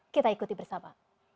kita ikuti bersama